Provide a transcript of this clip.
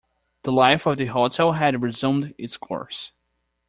The life of the hotel had resumed its course.